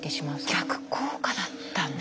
逆効果だったんだ。